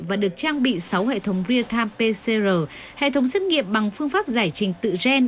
và được trang bị sáu hệ thống real time pcr hệ thống xét nghiệm bằng phương pháp giải trình tự gen